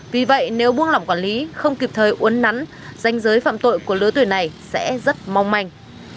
vì vậy nếu buông lỏng quản lý không kịp thời uốn nắn danh giới phạm tội của lứa tuổi này sẽ rất mong manh